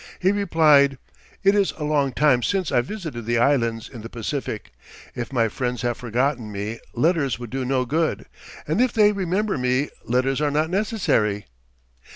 He replied, "It is a long time since I visited the islands in the Pacific; if my friends have forgotten me letters would do no good, and if they remember me letters are not necessary."